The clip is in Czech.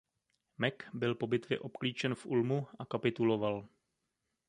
Mack byl po bitvě obklíčen v Ulmu a kapituloval.